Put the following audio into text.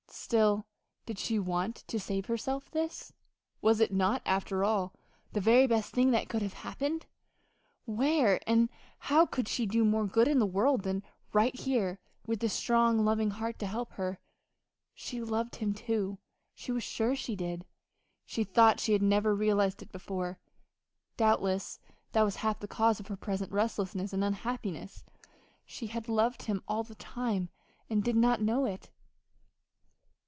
Still, did she want to save herself this? Was it not, after all, the very best thing that could have happened? Where, and how could she do more good in the world than right here with this strong, loving heart to help her?... She loved him, too she was sure she did though she had never realized it before. Doubtless that was half the cause of her present restlessness and unhappiness she had loved him all the time, and did not know it!